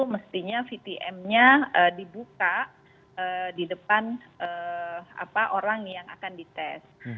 mestinya vtm nya dibuka di depan orang yang akan di tes